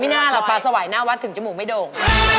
อ๋อไม่น่าเหรอฟ้าสวัยหน้าวัดถึงจมูกไม่โด่ง